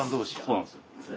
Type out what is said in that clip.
そうなんですよ。